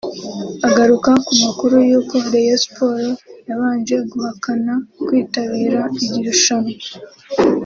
Agaruka ku makuru yuko Rayon Sports yabanje guhakana kwitabira iri rushanwa